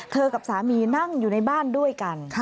กับสามีนั่งอยู่ในบ้านด้วยกัน